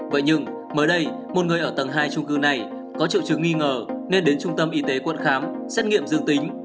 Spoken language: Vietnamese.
vậy nhưng mới đây một người ở tầng hai trung cư này có triệu chứng nghi ngờ nên đến trung tâm y tế quận khám xét nghiệm dương tính